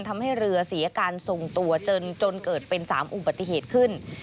ทำให้เรือเสียการทรงตัวจนเกิดเป็น๓อุบัติเหตุขึ้น